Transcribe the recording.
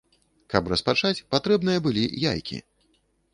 Каб распачаць, патрэбныя былі яйкі.